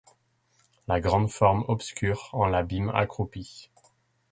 La grande forme obscure en l’abîme accroupie.